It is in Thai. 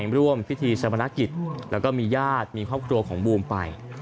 ร่วมพิธีชะพนักกิจแล้วก็มีญาติมีครอบครัวของบูมไป